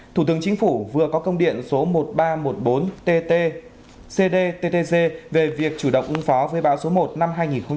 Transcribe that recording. thủ tướng chính phủ vừa có công điện số một nghìn ba trăm một mươi bốn tt cdttg về việc chủ động ứng phó với bão số một năm hai nghìn một mươi chín